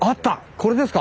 これですか？